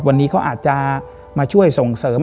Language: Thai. วันนี้เขาอาจจะมาช่วยส่งเสริม